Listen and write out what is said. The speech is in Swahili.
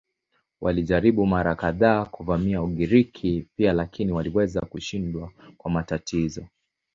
Walijaribu mara kadhaa kuvamia Ugiriki pia lakini waliweza kushindwa kwa matatizo.